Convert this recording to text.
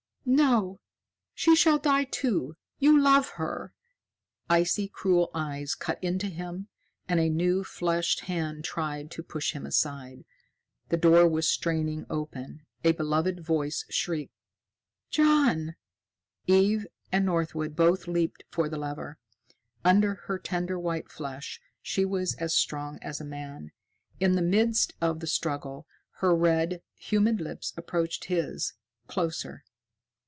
"No! She shall die, too. You love her!" Icy, cruel eyes cut into him, and a new fleshed hand tried to push him aside. The door was straining open. A beloved voice shrieked. "John!" Eve and Northwood both leaped for the lever. Under her tender white flesh she was as strong as a man. In the midst of the struggle, her red, humid lips approached his closer.